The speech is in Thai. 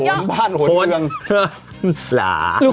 โหนบ้านโหนเชือง